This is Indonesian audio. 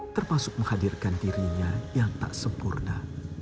termasuk menghadirkan dirinya yang tak sempurna